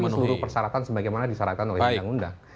seluruh persyaratan sebagaimana disyaratkan oleh undang undang